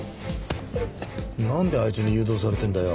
なんであいつに誘導されてるんだよ！